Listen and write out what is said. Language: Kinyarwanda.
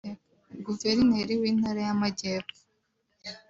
Gouverineri w' Intara y' Amajyepfo